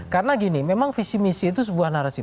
karena gini memang visi misi itu sebuah narasi